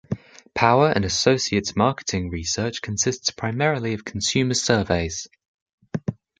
Power and Associates' marketing research consists primarily of consumer surveys.